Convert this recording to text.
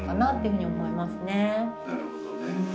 なるほどね。